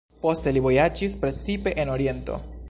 Poste li vojaĝis, precipe en Oriento.